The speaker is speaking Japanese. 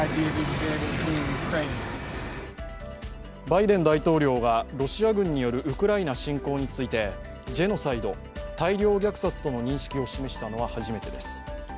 バイデン大統領がロシア軍によるウクライナ侵攻についてジェノサイド＝大量虐殺との認識を示したのは初めてです。